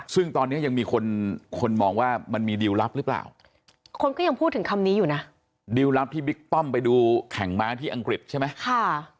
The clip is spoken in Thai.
ซึ่งตอนนี้ยังมีคนคนมองว่ามันมีดิวลลับหรือเปล่าคนก็ยังพูดถึงคำนี้อยู่นะดิวลลับที่บิ๊กป้อมไปดูแข่งม้าที่อังกฤษใช่ไหมค่ะ